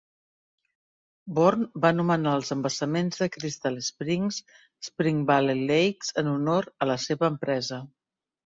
Bourn va anomenar els embassaments de Crystal Springs "Spring Valley Lakes" en honor a la seva empresa.